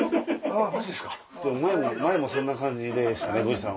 前もそんな感じでした宮司さん。